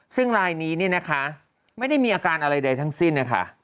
ซึ่งรายนี้เนี่ยนะคะไม่ได้มีอาการอะไรใดทั้งสิ้นนะคะ